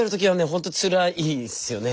ほんとつらいですよね。